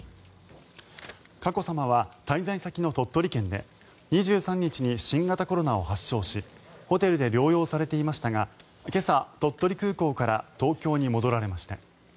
佳子さまは滞在先の鳥取県で２３日に新型コロナを発症しホテルで療養されていましたが今朝、鳥取空港から東京に戻られました。